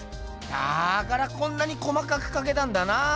だからこんなに細かくかけたんだな。